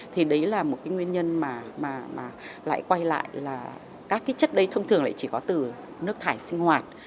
thì đấy là một nguyên nhân mà lại quay lại là các chất đấy thông thường chỉ có từ nước thải sinh hoạt